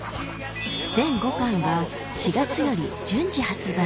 全５巻が４月より順次発売